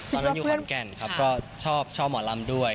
ตอนนั้นอยู่ขอนแก่นครับก็ชอบหมอลำด้วย